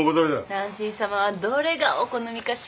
ナンシーさまはどれがお好みかしら？